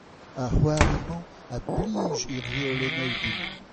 Ar c'hoari-mañ a blij e reolennoù din.